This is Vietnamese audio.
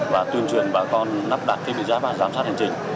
và tuyên truyền bà con nắp đặt thiết bị giám sát hành trình